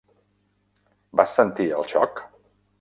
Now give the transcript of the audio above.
Vas sentir el xoc?